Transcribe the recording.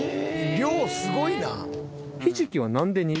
量すごいな。